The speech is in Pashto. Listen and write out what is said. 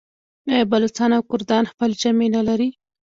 آیا بلوڅان او کردان خپلې جامې نلري؟